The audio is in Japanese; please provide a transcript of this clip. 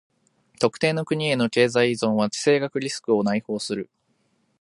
特定の国への経済依存は地政学リスクを内包する。